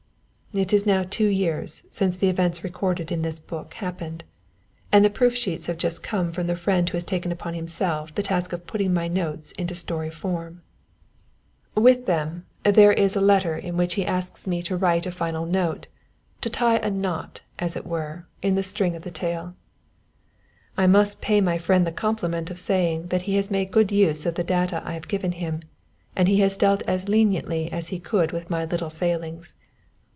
It is now two years since the events recorded in this book happened, and the proof sheets have just come from the friend who has taken upon himself the task of putting my notes into story form. With them, there is a letter in which he asks me to write a final note to tie a knot, as it were, in the string of the tale. I must pay my friend the compliment of saying that he has made good use of the data I have given him, and he has dealt as leniently as he could with my little failings.